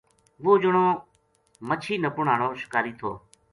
وہ جنو مچھی نپن ہاڑو شکاری تھو